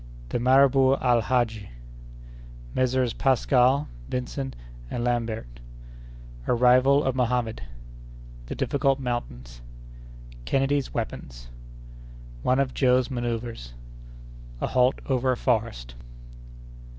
—The Marabout Al Hadji.—Messrs. Pascal, Vincent, and Lambert.—A Rival of Mohammed.—The Difficult Mountains.—Kennedy's Weapons.—One of Joe's Manœuvres.—A Halt over a Forest.